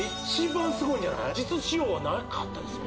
実使用はなかったですよ